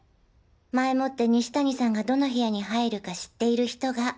前もって西谷さんがどの部屋に入るか知っている人が。